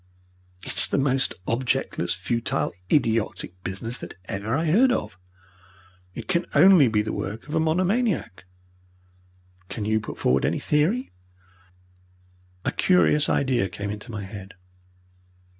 "It is the most objectless, futile, idiotic business that ever I heard of. It can only be the work of a monomaniac." "Can you put forward any theory?" A curious idea came into my head.